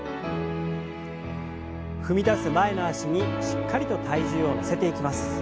踏み出す前の脚にしっかりと体重を乗せていきます。